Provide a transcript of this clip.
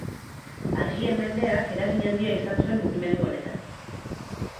Argien mendeak eragin handia izan zuen mugimendu honetan.